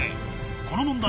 この問題